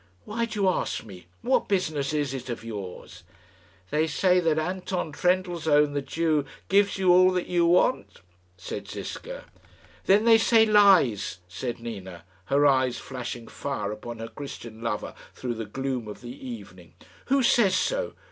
"Why do you ask me? What business is it of yours?" "They say that Anton Trendellsohn, the Jew, gives you all that you want," said Ziska. "Then they say lies," said Nina, her eyes flashing fire upon her Christian lover through the gloom of the evening. "Who says so?